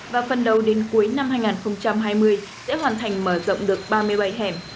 và phần đầu đến cuối năm hai nghìn hai mươi sẽ hoàn thành mở rộng được ba mươi bảy hẻm